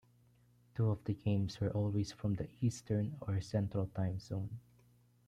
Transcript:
Two of the games were always from the Eastern or Central Time Zone.